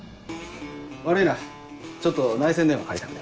悪いなちょっと内線電話借りたくて。